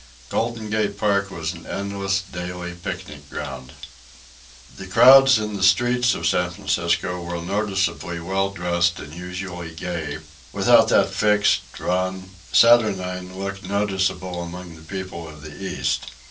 Golden Gate Park was an endless daily picnic ground. The crowds in the streets of San Francisco were noticeably well dressed and usually gay, without that fixed, drawn, saturnine look noticeable among the people of the East.